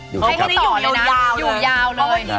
อยู่กันซะ